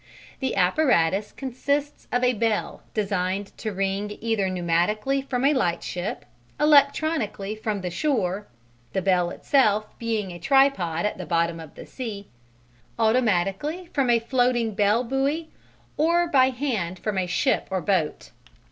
The apparatus consists of a bell designed to ring either pneumatically from a lightship, electrically from the shore (the bell itself being a tripod at the bottom of the sea), automatically from a floating bell buoy, or by hand from a ship or boat.